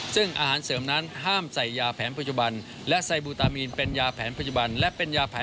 ซึ่งอาหารเสริมนั้นห้ามใส่ยาแผนปัจจุบันและไซบลูทรามีนเป็นยาแผนปัจจุบัน